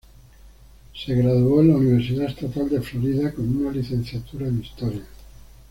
Se graduó en la Universidad Estatal de Florida con una Licenciatura en Historia.